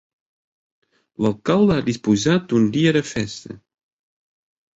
L'alcalde ha disposat un dia de festa.